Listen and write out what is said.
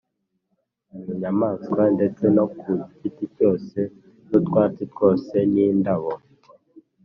mu nyamaswa ndetse no ku giti cyose n’utwatsi twose n’indabo,